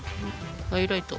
ハイライト。